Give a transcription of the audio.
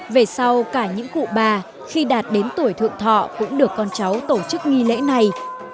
về sau cả những cụ bà khi đạt đến tuổi thượng thọ cũng được con cháu tổ chức nghi lễ này